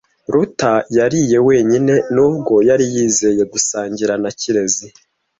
Ruta yariye wenyine nubwo yari yizeye gusangira na Kirezi .